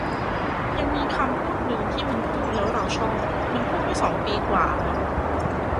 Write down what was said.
ยังมีคำพูดนึงที่มันพูดแล้วเราชอบ มันพูดไว้สองปีกว่าแล้ว